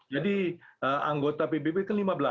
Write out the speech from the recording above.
jadi anggota pbb kan lima belas